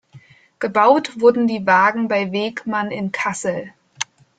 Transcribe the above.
Gebaut wurden die Wagen bei Wegmann in Kassel.